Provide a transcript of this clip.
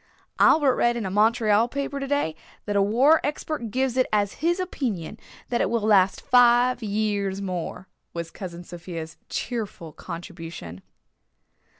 "Albert read in a Montreal paper today that a war expert gives it as his opinion that it will last five years more," was Cousin Sophia's cheerful contribution.